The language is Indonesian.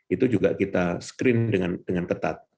itu juga kita screen dengan ketat